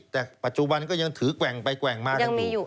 แต่ปัจจุบันก็ยังถือแกว่งไปแกว่งมายังมีอยู่